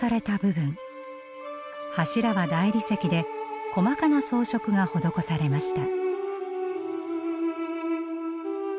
柱は大理石で細かな装飾が施されました。